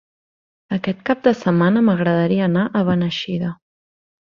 Aquest cap de setmana m'agradaria anar a Beneixida.